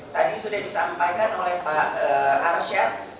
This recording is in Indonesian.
tadi sudah disampaikan oleh pak arsyad